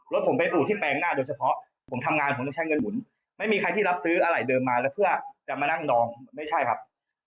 รถผมเป็นอู่ที่แปลงหน้าโดยเฉพาะผมทำงานผมต้องใช้เงินหมุนไม่มีใครที่รับซื้ออะไรเดิมมาแล้วเพื่อจะมานั่งดองไม่ใช่ครับ